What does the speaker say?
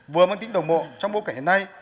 vừa mang tính đồng mộ trong bộ cảnh hiện nay